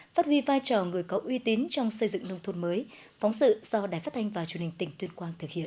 phát huy vai trò người có uy tín trong xây dựng nông thôn mới phóng sự do đài phát thanh và truyền hình tỉnh tuyên quang thực hiện